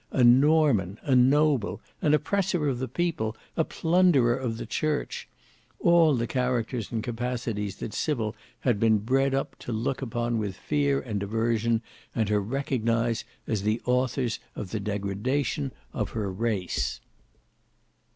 A Norman, a noble, an oppressor of the people, a plunderer of the church—all the characters and capacities that Sybil had been bred up to look upon with fear and aversion, and to recognise as the authors of the degradation of her race.